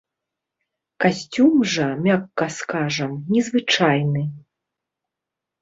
Касцюм жа, мякка скажам, незвычайны.